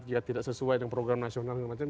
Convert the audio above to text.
jika tidak sesuai dengan program nasional dan macam